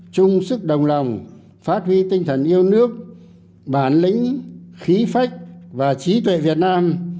chung sức đồng lòng phát huy tinh thần yêu nước bản lĩnh khí phách và trí tuệ việt nam